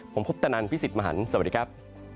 ผมพุทธนันพี่สิทธิ์มหันฯสวัสดีครับ